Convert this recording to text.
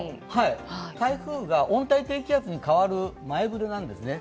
台風が温帯低気圧に変わる前触れなんですね。